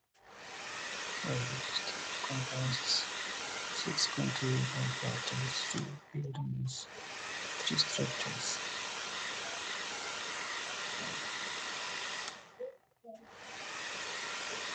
The district comprises six contributing properties-three buildings and three structures.